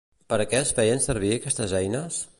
Per a què es feien servir aquestes eines?